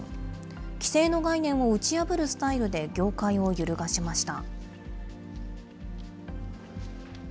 既成の概念を打ち破るスタイルで業界を揺るがしました。